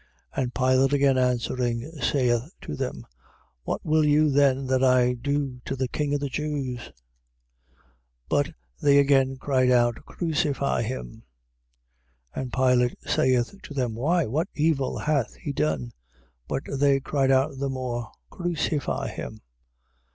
15:12. And Pilate again answering, saith to them: What will you then that I do to the king of the Jews? 15:13. But they again cried out: Crucify him. 15:14. And Pilate saith to them: Why, what evil hath he done? But they cried out the more: Crucify him.